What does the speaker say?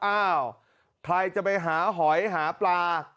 อ้าวใครจะไปหาหอยหาปลา